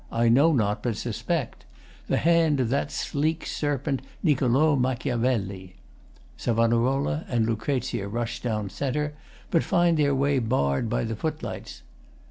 I know not, but suspect | The hand of that sleek serpent Niccolo | Machiavelli. SAV. and LUC. rush down c., but find their way barred by the footlights.